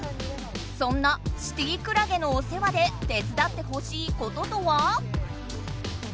そんな「シティークラゲ」のお世話で手つだってほしいこととは？